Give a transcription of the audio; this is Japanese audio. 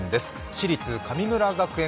私立神村学園